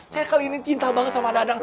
saya kali ini cinta banget sama dadang